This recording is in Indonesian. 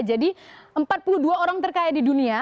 jadi empat puluh dua orang terkaya di dunia